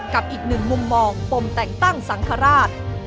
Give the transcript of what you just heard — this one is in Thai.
กับอีกหนึ่งมุมมองปมแต่งตั้งสังฆราช